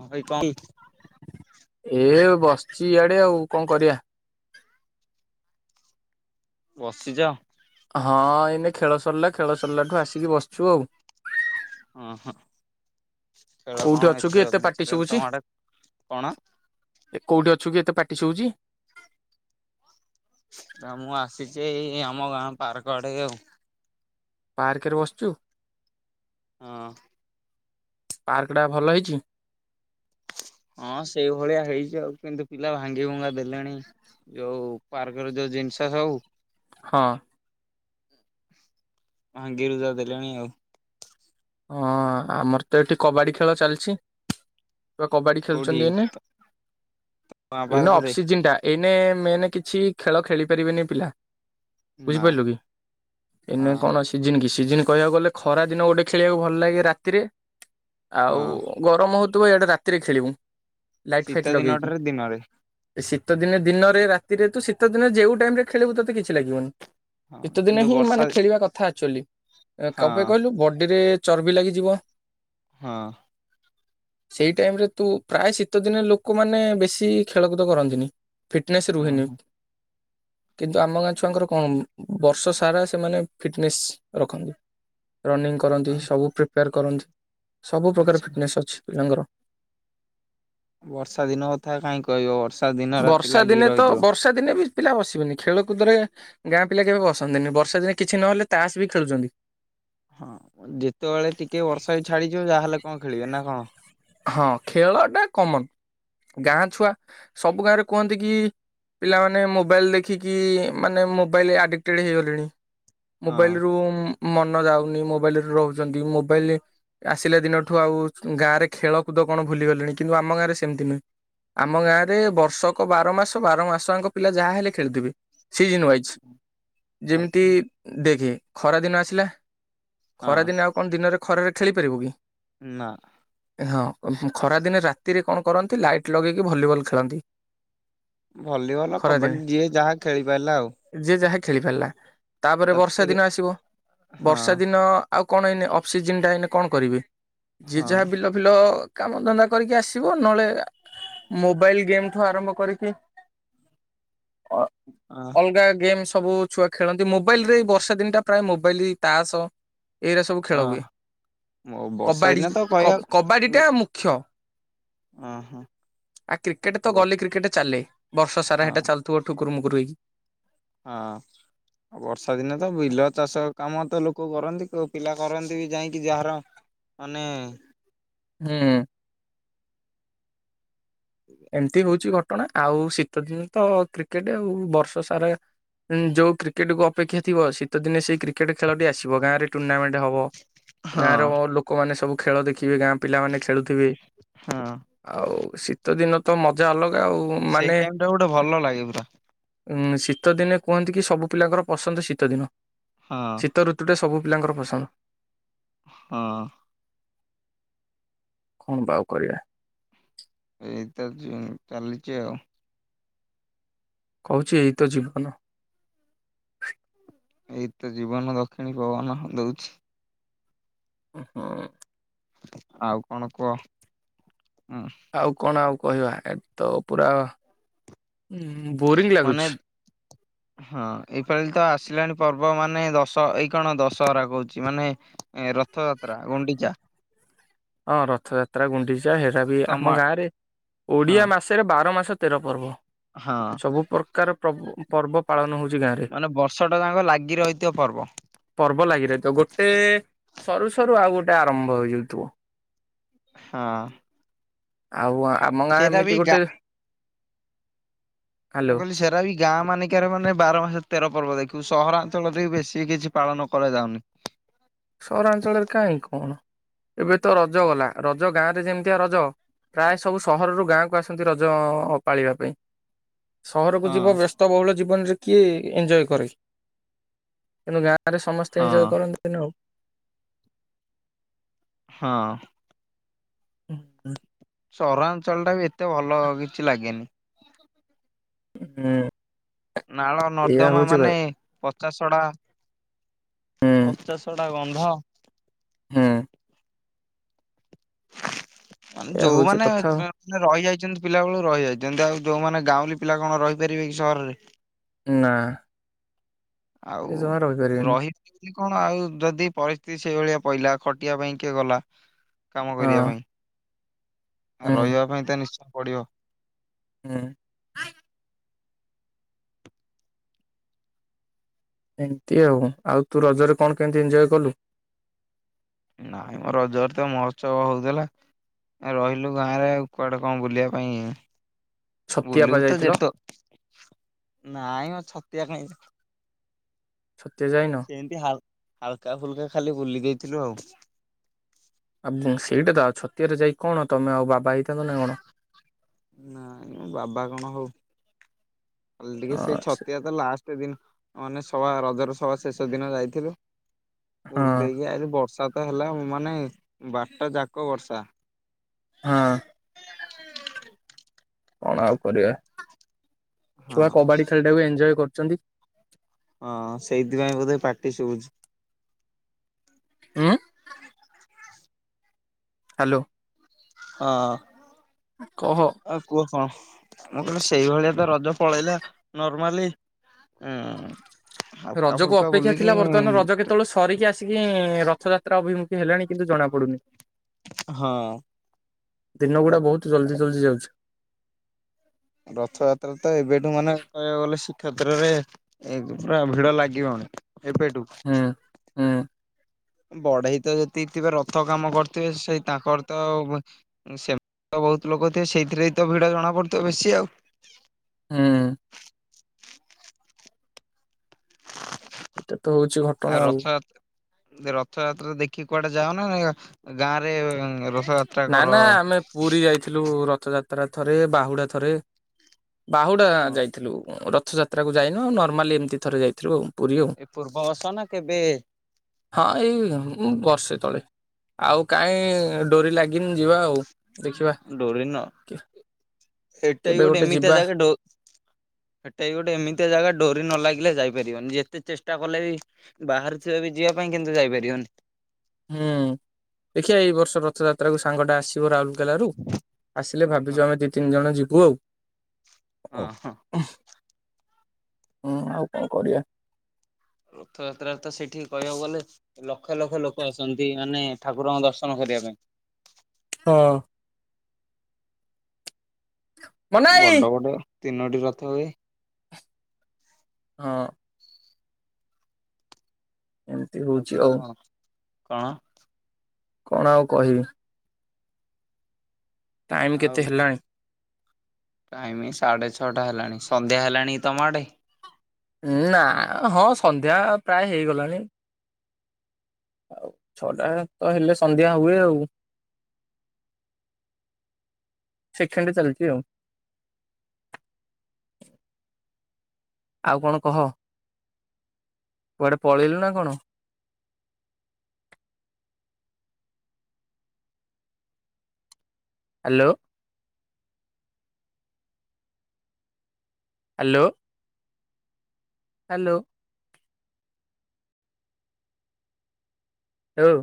ହଁ ଭାଇ କଂ? ଏ ବସିଚି ଇଆଡେ ଆଉ କଂ କରିଆ। ବସିଚ। ହଁ ଏଇନେ ଖେଳ ସରିଲା ଖେଳ ସରିଲାଠୁ ଆସିକି ବସିଚୁ ଆଉ। ଉଁ ହୁଁ ଖେଳ କୋଉଠି କଣ ଅଛୁ କି ଏତେ ଜଲଦି ପାଟି ସରିଗଲା ଶୁଭୁଛି ତମ ଆଡେ କଣ? ଏ କୋଉଠି ଅଛୁ କି ଏତେ ପାଟି ଶୁଭୁଛି? ଆ ମୁଁ ଆସିଚି ଏଇ ଆମ ଗାଁ ପାର୍କ ଆଡ଼େ ଆଉ। ପାର୍କରେ ବସଚୁ? ହଁ। ପାର୍କ ଟା ଭଲ ହେଇଚି? ହଁ ସେଇଭଳିଆ ହେଇଚି ଆଉ କିନ୍ତୁ ପିଲା ଭାଙ୍ଗି ଭୁଙ୍ଗା ଦେଲେଣି। ଯୋଉ ପାର୍କ ର ଯୋଉ ଜିନିଷ ସବୁ। ହଁ। ଭାଙ୍ଗି ରୁଜା ଦେଲେଣି ଆଉ। ଅଁ ଆମର ତ ଏଠି କବାଡ଼ି ଖେଳ ଚାଲଛି। ଛୁଆ କବାଡ଼ି କୋଉଠି ଖେଳୁଚନ୍ତି ଏଇନେ ମା ଏଇନା ପାର୍କରେ ଅଫ୍ସିଜିନ ଟା। ଏଇନେ ମେନେ କିଛି ଖେଳ ଖେଳି ପାରିବେନି ପିଲା। ନା ବୁଝିପାରିଲୁ କି ଏଇନେ ହଁ କଣ ସିଜିନ କି ସିଜିନ କହିବାକୁ ଗଲେ ଖରା ଦିନ ଗୋଟେ ଖେଳିବାକୁ ଭଲ ଲାଗେ ରାତିରେ ଆଉ ହଁ। ଗରମ ହଉଥୁବ ଇଆଡ଼େ ରାତିରେ ଖେଳିବୁ। ଲାଇଟ୍ ଶୀତ ଫାଇଟ୍ ଲଗେଇକିଁ। ଦିନଟାରେ ଦିନରେ ଶୀତ ଦିନେ ଦିନରେ ରାତିରେ ତୁ ଶୀତ ଦିନେ ଯେଉ ଟାଇମ୍ ରେ ଖେଳିବୁ ତତେ କିଛି ଲାଗିବନି। ହଁ ଶୀତେ ଦିନେ କିନ୍ତୁ ହିଁ ବର୍ଷା ମାନେ ଖେଳିବା କଥା ଆକ୍ଚୁ ଆଲି ଏଁ କଣ ହଁ ପାଇଁ କହିଲୁ ବ ଡ଼ିରେ ଚର୍ବି ଲାଗିଯିବ। ହଁ। [inaudible] ସେଇ ଟାଇମ୍ ରେ ତୁ ପ୍ରାଏ ଶୀତ ଦିନେ ଲୋକମାନେ ବେଶୀ ଖେଳକୁଦ କରନ୍ତିନି। ଫିଟନେସ୍ ରୁହେନି ହଁ। କିନ୍ତୁ ଆମ ଗାଁ ଛୁଆଙ୍କର କଣ ମୁଁ ବର୍ଷ ସାରା ସେମାନେ ଫିଟନେସ୍ ରଖନ୍ତି ରନିଂ କରନ୍ତି ହଁ। ସବୁ ପ୍ରି ପ୍ୟାର କରନ୍ତି ସବୁ ପ୍ରକାର ଆଚ୍ଛା ଫିଟନେସ୍ ଅଛି ପିଲାଙ୍କର। ବର୍ଷା ଦିନ କଥା କାଇଁ କହିବ ବର୍ଷା ଦିନ ରାତି ବର୍ଷା ଲାଗି ଦିନେ ତ ରହିଥିବ। ବର୍ଷା ଦିନେ ବି ପିଲା ବସିବେନି ଖେଳକୁଦରେ ଗାଁ ପିଲା କେବେ ବସନ୍ତିନି ବର୍ଷା ଦିନେ କିଛି ନହେଲେ ତାସ୍ ବି ଖେଳୁଚନ୍ତି। ହଁ ଯେତବଳେ ଟିକେ ବର୍ଷା ବି ଛାଡ଼ିଯିବ ଯାହାହେଲେ କଣ ଖେଳିବେ ନା କଣ? ହଁ ଖେଳଟା କମନ ଗାଁ ଛୁଆ ସବୁ ଗାଁରେ କୁହନ୍ତି କି ପିଲାମାନେ ମୋବାଇଲ ଦେଖିକି ଇ ଇ ମାନେ ମୋବାଇଲ ଆଡିକଟେଡ଼ ହେଇଗଲେଣି। ହଁ ମୋବାଇଲ ରୁ ମ୍ ମନ ଯାଉନି ମୋବାଇଲରେ ରହୁଚନ୍ତି ମୋବାଇଲି ଆସିଲା ଦିନଠୁ ଆଉ ଛୁ ଗାଁରେ ଖେଳକୁଦ କଣ ଭୁଲିଗଲିଣି କିନ୍ତୁ ଆମ ଗାଁରେ ସେମତି ନୁହେଁ। ଆମ ଗାଁରେ ବର୍ଷକ ବାର ମାସ ବାର ମାସ ଆଙ୍କ ପିଲା ଯାହା ହେଲେ ଖେଳୁଥିବେ। ସିଜନ୍ ୱାଇଜ୍ ଯେମତି ଆଚ୍ଛା ଦେଖେ ଖରା ଦିନ ଆସିଲା ହଁ ଖରାଦିନେ ଆଉ କଣ ଦିନରେ ଖରାରେ ଖେଳିପାରିବୁ କି? ନାଁ। ଏ ହଁ ହୁଁ ଖରାଦିନେ ରାତିରେ କଣ କରନ୍ତି ଲାଇଟ୍ ଲଗେଇକି ଭଲିବଲ୍ ଖେଳନ୍ତି। ଭଲିବଲ ଖରାଦିନେ କବାଡ଼ି ଯିଏ ଯାହା ଖେଳି ପାରିଲା ଆଉ। ଯିଏ ଯାହା ଖେଳି ପାରିଲା ତାପରେ ବର୍ଷା ରାତିରେ ଦିନ ଆସିବ ବର୍ଷା ହଁ ଦିନ ଆଉ କଣ ଏଇନେ ଅଫ୍ସିଜିନ୍ଟା ଏଇନେ କଣ କରିବେ ଯିଏ ହଁ ଯାହା ବିଲ ବିଲ କାମ ଧନ୍ଦା କରିକି ଆସିବ ନହଳେ ଆ ମୋବାଇଲ୍ ଗେମ୍ ଠୁ ଆରମ୍ଭ କରିକି ଅ ହଁ ଅଲଗା ଗେମ୍ ସବୁ ଛୁଆ ଖେଳନ୍ତି ମୋବାଇଲ୍ ରେ ଏଇ ବର୍ଷା ଦିନଟା ପ୍ରାୟ ମୋବାଇଲି ତାସ ଏଇଗୁରା ସବୁ ଖେଳ ହୁଏ ହଁ ବର୍ଷା କବାଡ଼ି ଦିନେ ତ କପ୍ କହିବାକୁ କବାଡ଼ିଟା ମୁଖ୍ୟ। ହଁ ହଁ ଆ କ୍ରିକେଟ ତ ବର୍ଷା ଗଲି କ୍ରିକେଟ ଚାଲେ ବର୍ଷ ସାରା ହଁ ହେଟା ଛଲ୍ ତ ଠୁ କୁରୁମୁୁ କୁରୁ ହେଇଜି। ହଁ। ବର୍ଷା ଦିନେ ତ ବିଲ ଚାଷ କାମ ତ ଲୋକ କରନ୍ତି କୋଉ ପିଲା କରନ୍ତି ବି ଯାଇଁକି ଯାହାର। ଅନେ ହେ [inaudible] ଏମତି ହୋଉଚି ଘଟଣା ଆଉ ଶୀତ ଦିନେ ତ କ୍ରିକେଟ୍ ଆଉ ବର୍ଷ ସାରା। ଉଁ ଯୋଉ କ୍ରିକେଟ୍ କୁୁ ଅପେକ୍ଷା ଥିବ ଶୀତ ଦିନେ ସେଇ କ୍ରି କ୍ରିକେଟ ଖେଳଟି ଆସିବ ଗାଁରେ ଟୁର୍ଣ୍ଣାମେଣ୍ଟ ହବ ଗାଁର ହଁ ବ ଲୋ କମାନେ ସବୁ ଖେଳ ଦେଖିବେ ଗାଁ ପିଲାମାନେ ଖେଳୁଥିବେ ହଁ ଆଉ ଶି ତ ଦିନ ତ ମଜା ଅଲଗା ଆଉ। ସେଇ ମାନେ ଟାଇମ୍ ଟା ଗୋଟେ ଭଲ ଲାଗେ ପୁରା। ଉଁ ଶୀତ ଦିନେ କୁଅନ୍ତି କି ସବୁ ପିଲାଙ୍କର ପସନ୍ଦ ଶୀତ ଦିନ। ହ। ଶୀତ ଋତୁଟେ ସବୁ ପିଲାଙ୍କର ପସନ୍ଦ। ହ। କଣ ବା ଆଉ କରିଆ। ଏଇତ [unintelligible] ଚାଲିଚି ଆଉ। କହୁଛି ଏଇ ତ ଜୀବନ। ଏଇ ତ ଜୀବନ ଦକ୍ଷିଣୀ ପବନ ହଲୋଉଛି। ହୁଁ। ଆଉ କଣ କୁଅ। ଆଉ କଣ ଆଉ କହିବା ଏକ ତ ପୁରା ଉଁ ବୋରିଙ୍ଗ ମାନେ ଲାଗୁଛି। ହଁ ଏଇପାଳି ତ ଆସିଲାଣି ପର୍ବ ମାନେ ଦଶ ଏଇ କଣ ଦଶହରା କୋଉଛି ମାନେ। ଏଁ ରଥଯାତ୍ରା ଗୁଣ୍ଡିଚା। ହଁ ରଥଯାତ୍ରା ଗୁଣ୍ଡିଚା ହେରା ବି ତମ ଆମ ଗାଁ ରେ ହଁ ଓଡିଆ ମାସ୍ ତେରେ ବାର ମାସ ତେର ପର୍ବ। ହଁ ସବୁ ପ୍ରକାର ପ୍ରଭୁ ପର୍ବ ପାଳନ ହୋଉଛି ଗାଁରେ। ମାନେ ବର୍ଷ ଟା ଯାକ ଲାଗି ରହିଥିବ ପର୍ବ ପର୍ବ ଲାଗି ରହିଥିବ ଗୋଟେ ସରୁ ସରୁ ଆଉ ଗୋଟେ ଆରମ୍ଭ ହୋଇଯାଉଥିବ। ହଁ। ଆଉ ଆମ ଗାଁ ସେଇଟା ବି ଏମିତି ଗା ଗୋଟେ। ମୁଁ ହ୍ୟାଲୋ କଇଲି ସେୟା ତାବି ଗାଁ ମାନେଙ୍କେରେ ମାନେ ବାର ମାସ ତେର ପର୍ବ ଦେଖିବୁ ସହରାଞ୍ଚଳରେ ଦେଖିବୁ ବେଶୀ କିଛି ପାଳନ କରାଯାଉନି। ସହରାଞ୍ଚଳରେ କାଇଁ କଣ ଏବେ ତ ରଜ ଗଲା ରଜ ଗାଁ ରେ ଯେମିତିଆ ରଜ। ପ୍ରାୟେ ସବୁ ସହରରୁ ଗାଁକୁ ଆସନ୍ତି ରଜ-ଅ-ପାଳିବା ପାଇଁ ସହରକୁ ହଁ ଯିବ ବ୍ୟସ୍ ସ୍ତ ବହୁଳ ଜୀବନରେ କିଏ ଏଞ୍ଜୟ କରେ ତେଣୁ ଗାଁରେ ସମସ୍ତେ ହଁ ଏଞ୍ଜୟ କରନ୍ ହୁଏ ନା ଆଉ। ହଁ। ଉଁ ହୁଁ। ସହରାଞ୍ଚଳଟା ବି ଏତେ ଭଲ କିଛି ଲାଗେନି। ହୁଁ। ନାଳ ଏଇଆ ନର୍ଦ୍ଦମା ହଉଛି ହୁଁ ମାନେ ପଚାଶଡା ପଚାଶ୍ ଶଡା ଗନ୍ଧ। ହୁଁ। ମାନେ ଏଇଆ ହଉଛି ଯୋଉମାନେ କଥା ଆଉ ଚେ ନା ରଇଯାଇଚନ୍ତି ପିଲା ବେଳୁ ରଇଯାଇଚନ୍ତି, ଆଉ ଯୋଉମାନେ ଗାଉଁଲୀ ପିଲା କଣ ରଇପାରିବେ କି ସହରରେ। ନା ସେ ଆଉ ଜମା ରହିପାରିବେନି ରହିତ୍ କଣ ଆଉ ଯଦି ପରିସ୍ଥିତି ସେଇଭଳିଆ ପହିଲା ଖଟିବା ପାଇଁ କିଏ ଗଲା କାମ କରିବା ହଁ ପାଇଁ ହୁଁ ରହିବା ପାଇଁ ତ ନିଶ୍ଚୟ ପଡ଼ିବ। ହୁଁ। ଏମତି ଆଉ ଆଉ ତୁ ରଜରେ କଣ କେମିତି ଏଞୟ କଲୁ? ନାଇଁ ମୋ ରଜରେ ତ ମହସୂବ ହଉଥିଲା। ଆ ରହିଲୁ ଗାଁ ରେ ଆଉ କୁଆଡେ କଣ ବୁଲିବା ପାଇଁ ଛତିଆ ପା ବୁଲିବୁ ତ ଯାଇଥିଲ ଯେତ ନାଇଁ ମୋ ଛତିଆ କାଇଁ ଛଡ଼ିଆ ଯାଇନ? ସେମିତି ହାଲକା ଫୁଲକା ଖାଲି ବୁଲି ଦେଇଥିଲୁ ଆଉ। ଆଉ ସେଇଟା ତ ଆଉ ଛତିଆରେ ଯାଇ କଣ ତମେ ଆଉ ବାବା ହେଇଥାନ୍ତ ନା କଣ। ନାଇଁ ମୋ ବାବା କଣ ହବୁ ଟିକେ ହଁ ସେଇ ସେ ଛତିଆ ତ ଲାଷ୍ଟ ସେ ଦିନ ମାନେ ସଭା ରଜର ସଦ୍ଭା ଶେଷ ଦିନ ଯାଇଥିଲୁ। ହଁ ବୁଲ ଦେଇେଇକି ଆଇଲୁ ବର୍ଷା ତ ହେଲା ମାନେ ବାଟ ଯାକ ବର୍ଷା। ହଁ। [unintelligible] କଣ ଆଉ କରିବା ହଁ। ଛୁଆ କବାଡି ଖେଳ ଟାକୁ ଏଞଜୟ କରୁଛନ୍ତି। ହଁ ସେଇଥିପାଇଁ ବୋଧେ ପାଟି ଶୁଭୁଛି। ହୁଁ। ହ୍ୟାଲୋ। ହଁ। କହ କୁହ କଣ ମୁଁ କହିଲିସେଇଭଳିଆ ତ ରଜ ପଳେଇଲା ନର୍ମାଲି। ହୁଁ। ରଜକୁ ଅପେକ୍ଷା ଥିଲା ବର୍ତ୍ତମାନ ରଜ କେତେବେଳେ ସରିକି ଆସିକି ରଥଯାତ୍ରା ଅଭିମୁଖେ ହେଲାଣି କିନ୍ତୁ ଜଣା ପଡୁନି। ହଁ ଦିନ ର ଗୁଡା ବହୁତ ଜଲଦି ଜଲଦି ଯାଉଛି। ରଥଯାତ୍ରା ତ ଏବେଠୁ ମାନେ କହିବାକୁ ଗଲେ ଶ୍ରୀ କ୍ଷେତ୍ରରେ ଏ ପୁରା ଭିଡ ଲାଗିବଣି ଏବେେଠୁ। ହେଁ। ବଢେଇ ତ ଯେତିକି ଥିବେ ରଥ କାମ କରିଥିବେ ସେଇ ତାଙ୍କର ତ ସେମିତି ତ ବହୁତ ଲୋକ ଥିବେ ସେଇଥିରେ ବି ତ ଭିଡ ଜଣାପଡ଼ୁଥିବ ବେଶୀ ଆଉ। ହୁଁ। ଏଇଟା ତ ହଉଛି ଘଟଣା ଆଉ ରଥାଯାତ ରଥଯାତ୍ରା ଦେଖିକି କୁଆଡେ ଯାଉନା ଗାଁରେ ର ରଥ ଯାତ୍ରା କର ଥିଲୁ ରଥଯାତ୍ରା ଥରେ ବାହୁଡା ଥରେ ବାହୁଡା ଯାଇଥିଲୁ ରଥଯାତ ପାତ୍ରାକୁ ଯାଇନ ଆ ନର୍ମାଲି ଏମତି ଥରେ ଯାଇଥିଲୁ ଆଉ ପୁରୀ ଆଉ। ଏ ପୂର୍ବବର୍ଷ ନା କେବେ? ହଁ ଏଇ ବର୍ଷେ ତଳେ ଆଉ କାାଇଁ ଡୋରି ଲାଗି କେମିତି ଯିବା ଆଉ ଦେଖିବା ଡୋରି ନ କେ- ଏଟା କେବେ ଗୋଟେ ଏମିତିଆ ଯିବା ଯାକଡ ସେଟା ଗୋଟେ ଏମିତି ଜାଗା ଡରି ନ ଲାଗିଲେ ଯାଇପାରିବନି ଯେତେ ଚେଷ୍ଟା କଲେ ବି ବାହାରୁଥିଆ ବି ଯିଆ ପାଇଁ କିନ୍ତୁ ଯାଇପାରିବନି। ହୁଁ ଦେଖିଆ ଏଇ ବର୍ଷ ରଥଯାତ୍ରା କୁ ସାଙ୍ଗଟା ଆସିବ ରାଉଲ କେଲାରୁ ଆସିଲେ ହଁ ହଁ। ଭାବିଛୁ ଆମେ ଦି ତିନି ଜଣ ଯିବୁ ଆଉ। ଓ ହଁ ହଁ। ଉହ୍ ହୁଁ ଆଉ କଁ କରିଆ? ରଥଯାତ୍ରାରେ ତ ସେଇଠିକି କହିଆକୁ ଗଲେ ଲକ୍ଷ ଲକ୍ଷ ଲୋକ ଆସନ୍ତି ମାନେ ଠାକୁରଙ୍କ ଦର୍ଶନ କରିଆ ପାଇଁ। ହଁ। ମନାଇ ବଡ ବଡ ତିନୋଟି ରଥ ହୁଏ। ହଁ। ଏମିତି ଆଉ ହଉଛି କୁଅ କଣ କଣ? କଣ ଆଉ କହିବି? ଟାଇମ ଆଉ କେତେ କଁ ହେଲାଣି ଟାଇମି ସାଢ଼େ ଛଅଟା ହେଲାଣି ସନ୍ଧ୍ୟା ହେଲାଣି ତମ ଆଡ଼େ? ଉଁ ନା ହଁ ସନ୍ଧ୍ୟା ପ୍ରାୟେ ହେଇଗଲାଣି। ଆଉ ଛଅଟା ତ ହେଲେ ସନ୍ଧ୍ୟା ହୁଏ ଆଉ। ସେଖେଣ୍ଡେ ଚାଲଚି ଆଉ। ଆଉ କଣ କହ କୁଆଡେ ପଳେଇଲୁ ନା କଣ? ହାଲୋ। ହାଲୋ। ହାଲୋ। ହେଉ।